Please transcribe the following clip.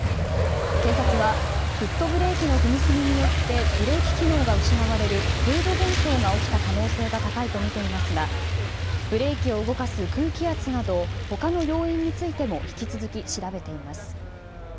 警察はフットブレーキの踏みすぎによってブレーキ機能が失われるフェード現象が起きた可能性が高いとみていますがブレーキを動かす空気圧など他の要因についても引き続き調べています。